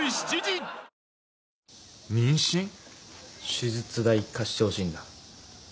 手術代貸してほしいんだ。